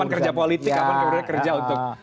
kapan kerja politik kapan kerja untuk